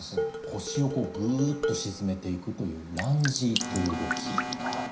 腰をこうぐっと沈めていくというランジという動き。